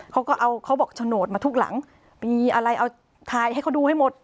เขาก็เอาเขาบอกโฉนดมาทุกหลังมีอะไรเอาถ่ายให้เขาดูให้หมด